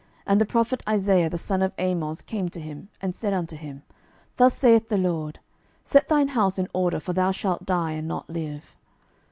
And the prophet Isaiah the son of Amoz came to him, and said unto him, Thus saith the LORD, Set thine house in order; for thou shalt die, and not live.